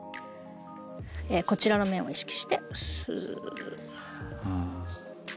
こちらの面を意識してスー。